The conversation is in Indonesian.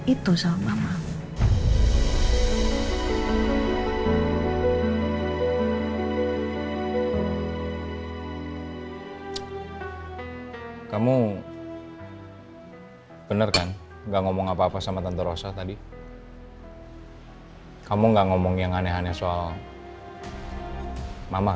itu soal mama